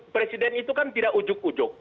presiden itu kan tidak ujuk ujuk